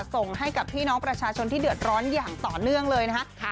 ส่งให้กับพี่น้องประชาชนที่เดือดร้อนอย่างต่อเนื่องเลยนะคะ